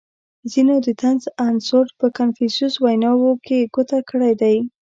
• ځینو د طنز عنصر په کنفوسیوس ویناوو کې په ګوته کړی دی.